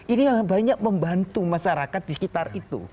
ini banyak membantu masyarakat di sekitar itu